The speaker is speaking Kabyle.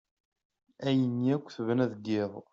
Ayen akk tebna deg yiḍ.